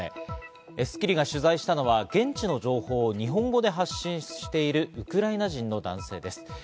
『スッキリ』が取材したのは、現地の情報を日本語で発信しているウクライナ人の男性です。